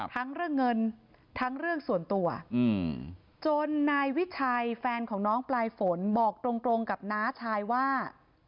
ทั้งเรื่องเงินทั้งเรื่องส่วนตัวจนนายวิชัยแฟนของน้องปลายฝนบอกตรงกับน้าชายว่า